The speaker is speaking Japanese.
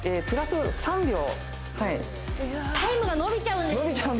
プラス３秒タイムが延びちゃうんですね